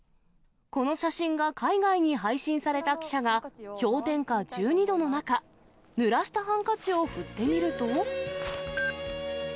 この写真が海外に配信された記者が、氷点下１２度の中、ぬらしたハンカチを振ってみると。